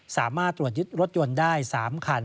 สามารถตรวจยึดรถยนต์ได้๓คัน